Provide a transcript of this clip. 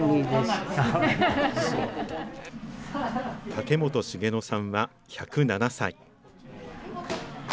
竹本繁野さんは１０７歳。